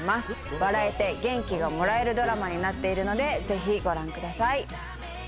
笑えて元気がもらえるドラマになっているのでぜひご覧ください。